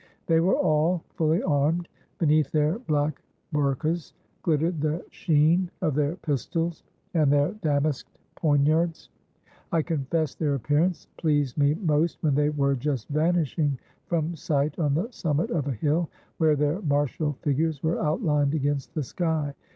They were all fully armed. Beneath their black bourkas glittered the sheen of their pistols and their damasked poniards. I confess their appearance pleased me most when they were just vanishing from sight on the summit of a hill, where their martial figures were outlined against the sky.